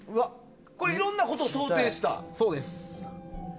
いろんなことを想定したやつ。